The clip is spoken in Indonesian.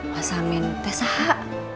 wasamin teh sahak